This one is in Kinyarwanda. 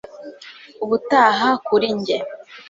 Ubutaha kuri njye